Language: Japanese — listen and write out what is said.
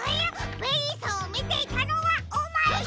ベリーさんをみていたのはおまえか！